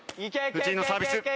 藤井のサービス。